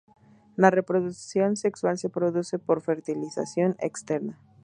La reproducción sexual se produce por fertilización externa.